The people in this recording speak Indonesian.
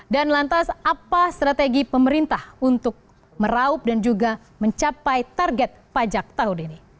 dan lantas apa strategi pemerintah untuk meraup dan juga mencapai target pajak tahun ini